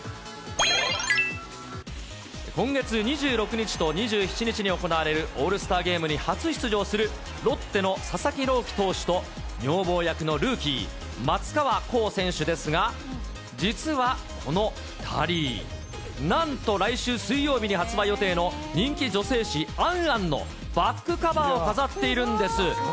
今月２６日と２７日に行われるオールスターゲームに初出場する、ロッテの佐々木朗希投手と女房役のルーキー、松川虎生選手ですが、実はこの２人、なんと来週水曜日に発売予定の人気女性誌、アンアンのバックカバーを飾っているんです。